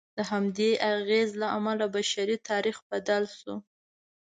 د همدې اغېز له امله بشري تاریخ بدل شو.